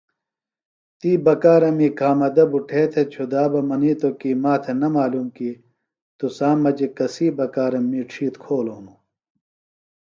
تی بکارمی کھامدہ بُٹھے تھےۡ چُھدا بہ منِیتوۡ کی ماتھےۡ نہ معلوم کی تُسام مجیۡ کسی بکارم می ڇِھیتر کھولوۡ ہِنوۡ۔